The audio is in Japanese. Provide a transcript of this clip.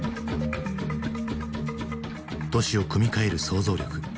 都市を組み替える想像力。